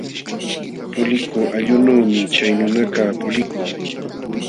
Pulikuq allqunuumi chay nunakaq pulikun.